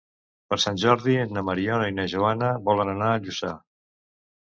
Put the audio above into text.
Per Sant Jordi na Mariona i na Joana volen anar a Lluçà.